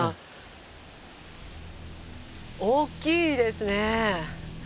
大きいですね。